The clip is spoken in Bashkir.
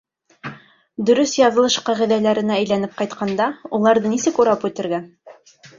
— Дөрөҫ яҙылыш ҡағиҙәләренә әйләнеп ҡайтҡанда, уларҙы нисек урап үтергә?